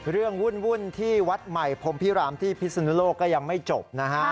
วุ่นที่วัดใหม่พรมพิรามที่พิศนุโลกก็ยังไม่จบนะฮะ